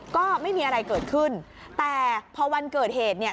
ก็ไม่มีอะไรเกิดขึ้นแต่พอวันเกิดเหตุเนี่ย